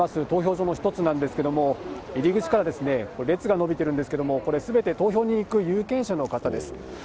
投票所の一つなんですけれども、入り口から列が延びているんですけれども、これ、すべて投票に行く有権者の方です。